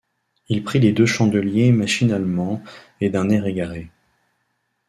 Il prit les deux chandeliers machinalement et d’un air égaré.